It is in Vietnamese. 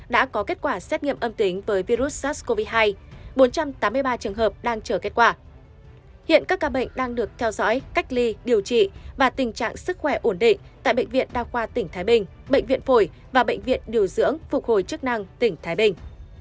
đang qua tỉnh thái bình bệnh viện phổi và bệnh viện điều dưỡng phục hồi chức năng tỉnh thái bình